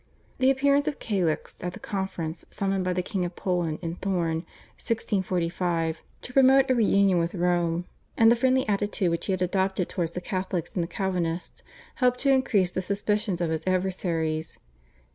The appearance of Calixt at the conference summoned by the King of Poland in Thorn (1645) to promote a reunion with Rome, and the friendly attitude which he had adopted towards the Catholics and the Calvinists helped to increase the suspicions of his adversaries.